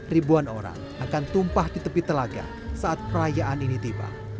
ribuan orang akan tumpah di tepi telaga saat perayaan ini tiba